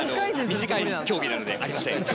短い競技なのでありません。